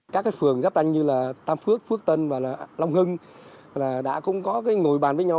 các phường gấp đanh như tam phước phước tân và long hưng đã cũng có ngồi bàn với nhau